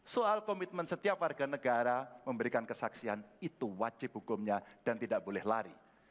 soal komitmen setiap warga negara memberikan kesaksian itu wajib hukumnya dan tidak boleh lari